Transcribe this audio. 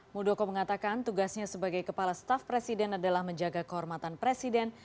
muldoko mengatakan tugasnya sebagai kepala staf presiden adalah menjaga kehormatan presiden